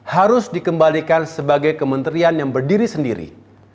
harus dikembalikan sebagai kementerian yang berdiri sendiri